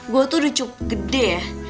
gue tuh udah cukup gede ya